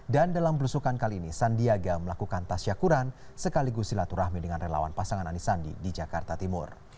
dan dalam belusukan kali ini sandiaga melakukan tas syakuran sekaligus silaturahmi dengan relawan pasangan anisandi di jakarta timur